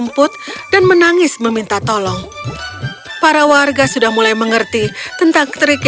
tapi bukan saja dia menyantai mereka mereka juga berterima kasih kepada mereka setelah her projektunya